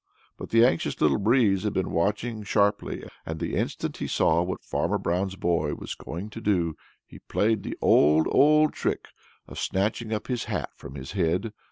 But the anxious Little Breeze had been watching sharply and the instant he saw what Farmer Brown's boy was going to do, he played the old, old trick of snatching his hat from his head.